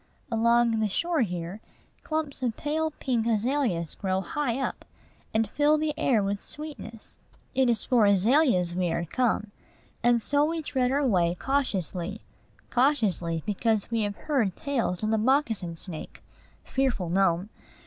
Along the shore here, clumps of pale pink azaleas grow high up, and fill the air with sweetness. It is for azaleas we are come; and so we tread our way cautiously, cautiously, because we have heard tales of the moccasin snake fearful gnome!